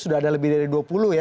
sudah ada lebih dari dua puluh ya